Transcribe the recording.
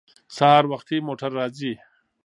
سهار وختي موټر راځي.